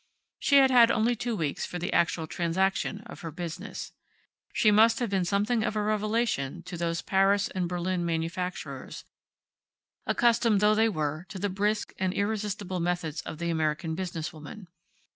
She had had only two weeks for the actual transaction of her business. She must have been something of a revelation to those Paris and Berlin manufacturers, accustomed though they were to the brisk and irresistible methods of the American business woman.